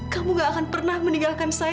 kamu gak akan pernah meninggalkan saya